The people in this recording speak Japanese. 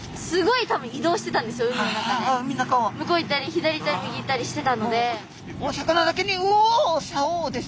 向こう行ったり左行ったり右行ったりしてたので。